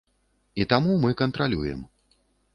І таму мы кантралюем.